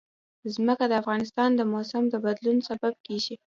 ځمکه د افغانستان د موسم د بدلون سبب کېږي.